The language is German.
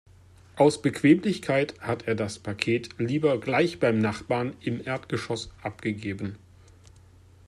Aus Bequemlichkeit hat er das Paket lieber gleich beim Nachbarn im Erdgeschoss abgegeben.